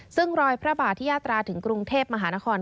ซึ่งรอยพระบาทที่ยาตราถึงกรุงเทพมหานคร